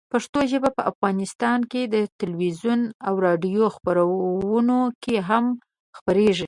پښتو ژبه په افغانستان کې د تلویزیون او راډیو خپرونو کې هم خپرېږي.